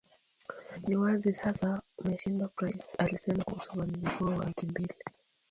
ni wazi sasa umeshindwa Price alisema kuhusu uvamizi huo wa wiki mbili